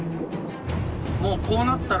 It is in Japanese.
もうこうなったら。